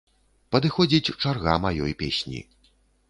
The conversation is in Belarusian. Падыходзіць чарга маёй песні.